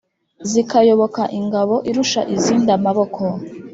zikayoboka ingabo irusha izindi amaboko.